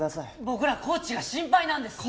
僕らコーチが心配なんです！